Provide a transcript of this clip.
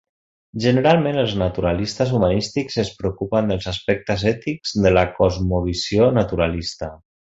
Generalment els naturalistes humanístics es preocupen dels aspectes ètics de la cosmovisió naturalista.